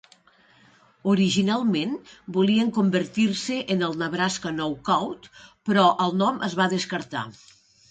Originalment volien convertir-se en el Nebraska Knockout, però el nom es va descartar.